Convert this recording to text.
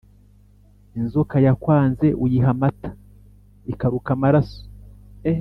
Inzoka yakwanze uyiha amata ikaruka amaraso.